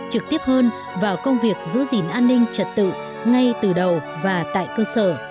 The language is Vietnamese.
trực tiếp hơn vào công việc giữ gìn an ninh trật tự ngay từ đầu và tại cơ sở